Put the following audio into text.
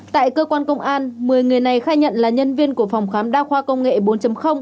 tại cơ quan công an một mươi người này khai nhận là nhân viên của phòng khám đa khoa công nghệ bốn